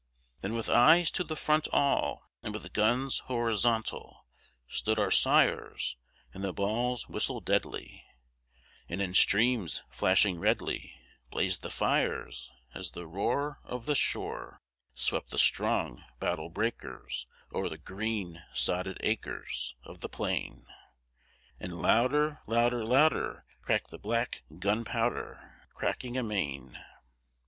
Then with eyes to the front all, And with guns horizontal, Stood our sires; And the balls whistled deadly, And in streams flashing redly Blazed the fires: As the roar Of the shore, Swept the strong battle breakers o'er the green sodded acres Of the plain; And louder, louder, louder, cracked the black gunpowder, Cracking amain!